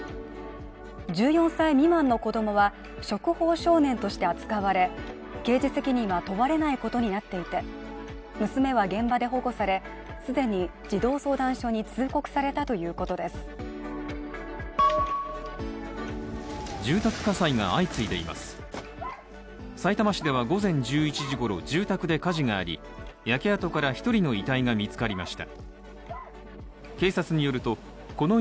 １４歳未満の子供は触法少年として扱われ刑事責任は問われないことになっていて、さいたま市では、午前１１時ごろ住宅で火事があり焼け跡から１人の遺体が見つかりました。